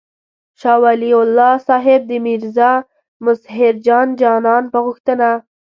شاه ولي الله صاحب د میرزا مظهر جان جانان په غوښتنه.